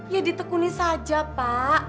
ya ditekuni saja pak